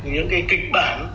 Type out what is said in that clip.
những kịch bản